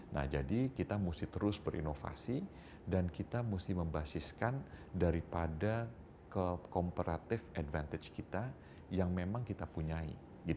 nah jadi kita mesti terus berinovasi dan kita mesti membasiskan daripada ke comperatif advantage kita yang memang kita punya